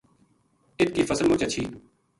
اِت کی فصل مچ ہچھی